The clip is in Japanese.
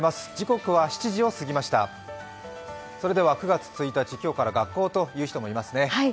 ９月１日、今日から学校という人もいますね。